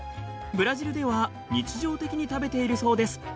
ブラジルでは日常的に食べているそうです。